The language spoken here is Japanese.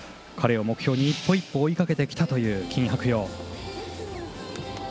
彼を目標に一歩一歩追いかけてきたという金博洋。